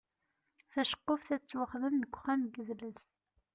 Taceqquft ad tettwaxdem deg uxxam n yidles.